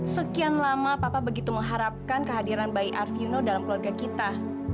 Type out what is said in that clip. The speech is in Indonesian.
sekian lama papa begitu mengharapkan kehadiran bayi arviono dalam keluarga kita